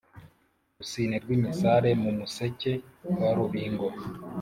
Rusine rw' imisare mu Museke wa Rubingo;